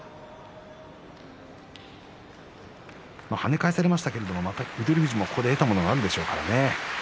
跳ね返されましたけどまた、翠富士もここで得たものがあるでしょうからね。